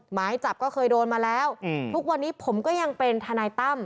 หมายจับก็เคยโดนมาแล้วทุกวันนี้ผมก็ยังเป็นทนายตั้ม